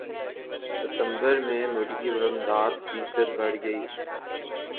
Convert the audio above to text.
ستمبر میں ملکی برمدات فیصد بڑھ گئیں